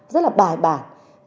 rất là bài bản